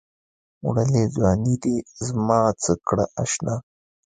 وړلې ځــواني دې زمـا څه کړه اشـنا